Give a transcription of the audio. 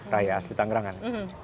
raya asli tanggerang kan